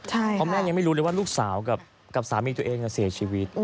เพราะแม่ยังไม่รู้เลยว่าลูกสาวกับสามีตัวเองเสียชีวิต